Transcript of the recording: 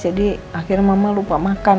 jadi akhirnya mama lupa makan